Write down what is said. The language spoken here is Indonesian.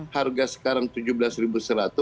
harga sekarang rp tujuh belas seratus